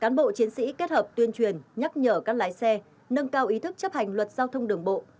cán bộ chiến sĩ kết hợp tuyên truyền nhắc nhở các lái xe nâng cao ý thức chấp hành luật giao thông đường bộ